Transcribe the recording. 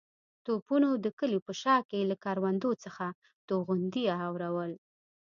توپونو د کلي په شا کې له کروندو څخه توغندي اورول.